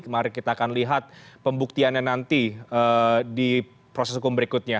mari kita akan lihat pembuktiannya nanti di proses hukum berikutnya